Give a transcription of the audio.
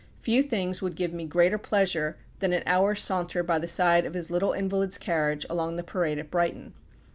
Few things would give me greater pleasure than an hour's saunter by the side of his little invalid's carriage along the Parade at Brighton.